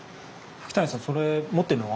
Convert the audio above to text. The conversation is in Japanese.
吹谷さんそれ持ってるのは？